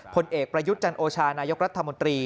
ผลเอกประยุทธ์จันโอชานายกรัฐมนตรี